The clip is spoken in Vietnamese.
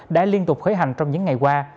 đã liên tục khởi hành trong những ngày qua